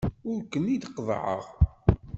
Ur ken-id-qeḍḍɛeɣ.